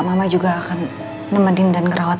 mama juga akan nemenin dan ngerawat